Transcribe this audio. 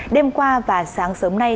đêm qua và sáng sớm nay